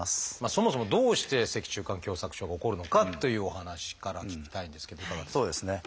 そもそもどうして脊柱管狭窄症が起こるのかっていうお話から聞きたいんですけどいかがですか？